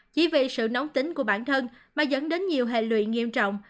chỉ vì sự nóng tính của bản thân mà dẫn đến nhiều hệ lụy nghiêm trọng